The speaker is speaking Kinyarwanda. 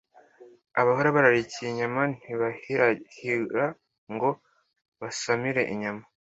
abahora bararikiye inyama ntibahirahira ngo basamire inyama